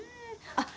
あっ。